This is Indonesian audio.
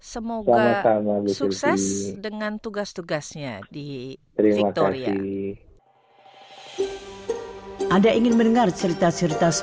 semoga sukses dengan tugas tugasnya di victoria